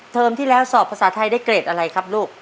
ที่แล้วสอบภาษาไทยได้เกรดอะไรครับลูก